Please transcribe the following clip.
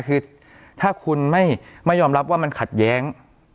คือถ้าคุณไม่ยอมรับว่ามันขัดแย้ง